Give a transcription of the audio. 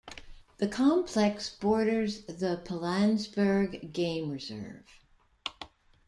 The complex borders the Pilanesberg Game Reserve.